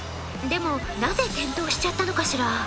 でも、なぜ転倒しちゃったのかしら？